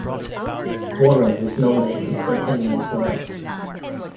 Warren was nominated for an Emmy as well.